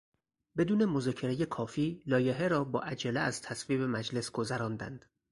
بدون مذاکرهی کافی لایحه را با عجله از تصویب مجلس گذراندند.